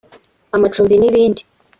amacumbi n’ibindi